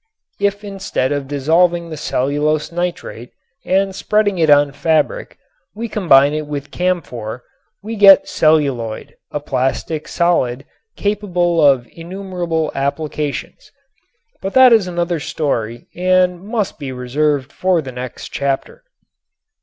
If instead of dissolving the cellulose nitrate and spreading it on fabric we combine it with camphor we get celluloid, a plastic solid capable of innumerable applications. But that is another story and must be reserved for the next chapter.